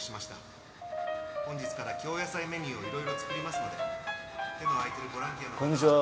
「本日から京野菜メニューをいろいろ作りますので手の空いてるボランティアの方は」